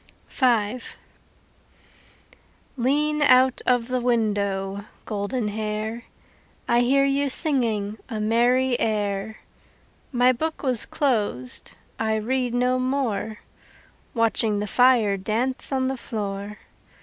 V Lean out of the window, Goldenhair, I hear you singing A merry air. My book was closed, I read no more, Watching the fire dance On the floor.